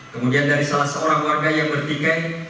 kemudian dari salah seorang warga yang bertiket